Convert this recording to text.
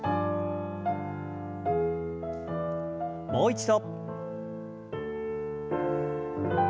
もう一度。